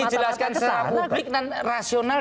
itu dijelaskan secara publik dan rasional